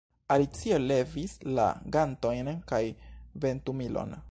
Alicio levis la gantojn kaj ventumilon.